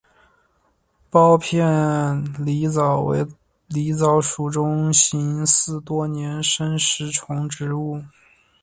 苞片狸藻为狸藻属中型似多年生食虫植物。